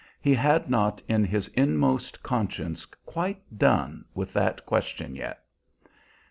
He had not in his inmost conscience quite done with that question yet.